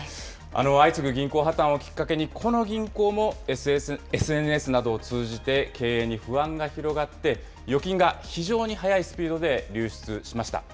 相次ぐ銀行破綻をきっかけに、この銀行もＳＮＳなどを通じて経営に不安が広がって預金が非常に速いスピードで流出しました。